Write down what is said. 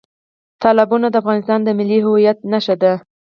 تالابونه د افغانستان د ملي هویت نښه ده.